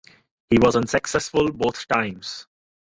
He was unsuccessful both times.